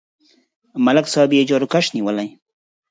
ملک صاحب یې جاروکش نیولی.